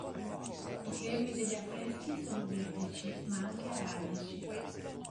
I temi degli affreschi sono biblici, ma anche araldici.